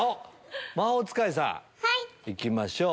魔法使いさん行きましょう。